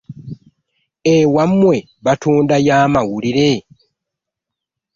Ewamwe batundayo amawulire?